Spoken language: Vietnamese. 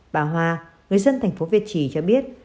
bà hoa người dân thành phố việt trì cho biết